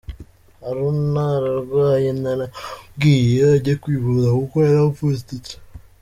Haruna ararwaye, naramubwiye ajye kwivuza kuko yavunitse.